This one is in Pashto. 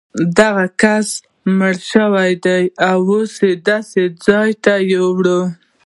دا کس مړ شوی دی او داسې ځای ته یې وړي.